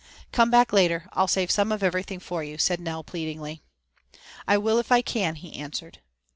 "Come back later. I'll save some of everything for you," said Nell pleadingly. "I will if I can," he answered.